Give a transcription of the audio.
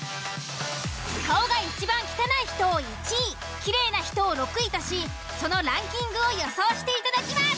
顔がいちばん汚い人を１位きれいな人を６位としそのランキングを予想していただきます。